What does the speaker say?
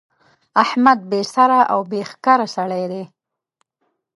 احمد بې سره او بې ښکره سړی دی.